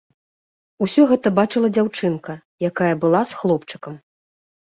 Усё гэта бачыла дзяўчынка, якая была з хлопчыкам.